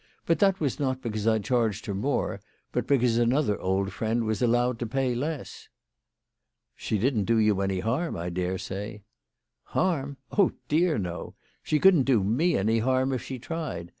But that was not because I charged her more, but because another old friend was allowed to pay less." " She didn't do you any harm, I dare say." " Harm ; oh dear no ! She couldn't do me any harm if she tried.